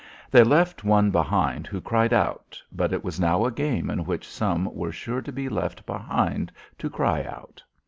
They left one behind who cried out, but it was now a game in which some were sure to be left behind to cry out.